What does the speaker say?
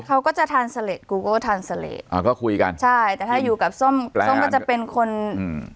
เขาก็จะอ่าก็คุยกันใช่แต่ถ้าอยู่กับส้มส้มก็จะเป็นคนอืม